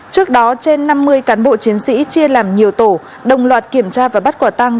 trước đó trên năm mươi cán bộ chiến sĩ chia làm nhiều tổ đồng loạt kiểm tra và bắt quả tăng